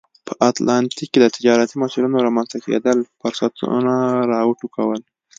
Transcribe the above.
په اتلانتیک کې د تجارتي مسیرونو رامنځته کېدل فرصتونه را وټوکول.